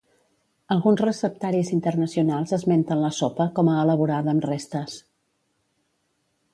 Alguns receptaris internacionals esmenten la sopa com a elaborada amb restes.